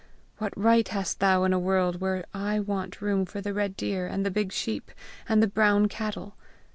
What right hast thou in a world where I want room for the red deer, and the big sheep, and the brown cattle?